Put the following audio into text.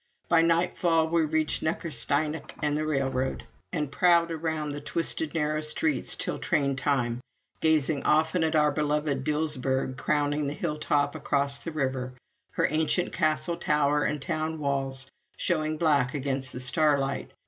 By nightfall we reached Neckarsteinach and the railroad, and prowled around the twisted narrow streets till train time, gazing often at our beloved Dilsberg crowning the hilltop across the river, her ancient castle tower and town walls showing black against the starlight.